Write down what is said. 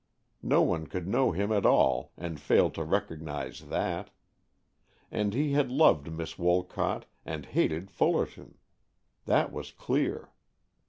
No one could know him at all and fail to recognize that. And he had loved Miss Wolcott and hated Fullerton; that was clear.